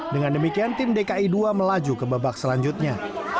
dengan demikian tim dki dua melaju ke babak selanjutnya